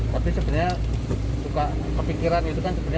tapi sebenarnya kepikiran itu kan